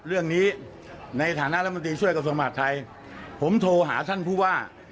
ในฐานะรัฐมนตรีช่วยกระทรวงมหาดไทยผมโทรหาท่านผู้ว่า